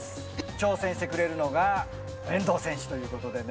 挑戦してくれるのが遠藤選手ということでね。